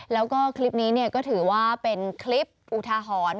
แล้วก็คลิปนี้ก็ถือว่าเป็นคลิปอุทาหรณ์